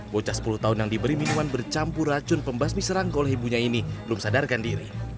bocah sepuluh tahun yang diberi minuman bercampur racun pembasmi serang gol ibunya ini belum sadarkan diri